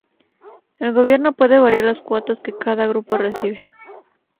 El gobierno puede variar las cuotas que cada grupo recibe.